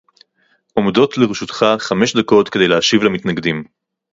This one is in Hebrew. עומדות לרשותך חמש דקות כדי להשיב למתנגדים